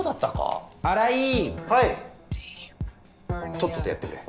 とっととやってくれ。